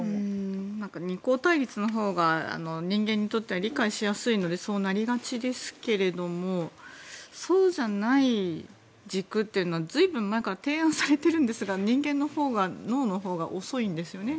二項対立のほうが人間にとっては理解しやすいのでそうなりがちですがそうじゃない軸というのは随分前から提案されているんですが人間の脳のほうが遅いんですよね